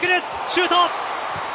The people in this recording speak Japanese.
シュート！